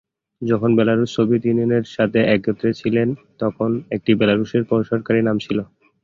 যখন Belarus, Soviet ইউনিয়নের সাথে একত্রে ছিল তখন এটি বেলারুশের সরকারি নাম ছিল।